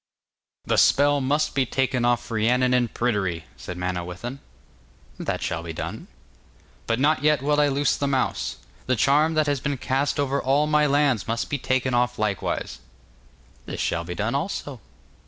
'The spell must be taken off Rhiannon and Pryderi,' said Manawyddan. 'That shall be done.' 'But not yet will I loose the mouse. The charm that has been cast over all my lands must be taken off likewise.' 'This shall be done also.